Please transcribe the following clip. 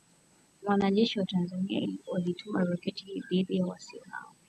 Wnajeshi wa Tanzania walitumia roketi dhidi ya waasi hao